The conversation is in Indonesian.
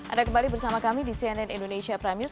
anda kembali bersama kami di cnn indonesia prime news